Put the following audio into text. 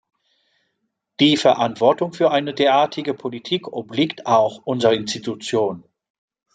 Die Verantwortung für eine derartige Politik obliegt auch unserer Institution.